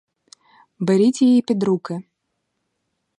Беріть її під руки.